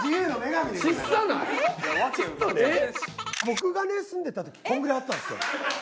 僕がね住んでた時こんぐらいあったんですよ。